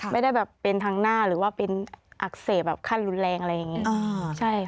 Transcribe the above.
ไม่ได้แบบเป็นทางหน้าหรือว่าเป็นอักเสบแบบขั้นรุนแรงอะไรอย่างนี้